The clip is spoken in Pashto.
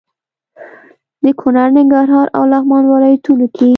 د کونړ، ننګرهار او لغمان ولايتونو کې